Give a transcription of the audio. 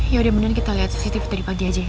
yaudah mending kita liat cctv tadi pagi aja ya